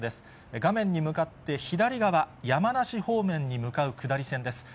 画面に向かって左側、山梨方面に向かう下り線です。